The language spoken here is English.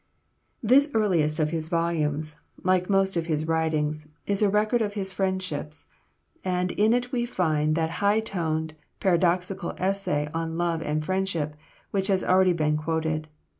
This earliest of his volumes, like most of his writings, is a record of his friendships, and in it we find that high toned, paradoxical essay on Love and Friendship, which has already been quoted.